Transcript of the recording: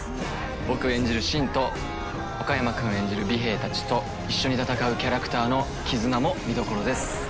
僕演じる信と岡山君演じる尾平たちと一緒に戦うキャラクターの絆も見どころです。